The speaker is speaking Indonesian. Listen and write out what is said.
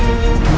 aku sudah menang